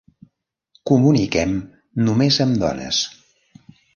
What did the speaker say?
Comuniquem només amb dones.